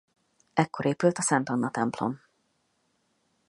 Ekkor épült a Szent Anna-templom.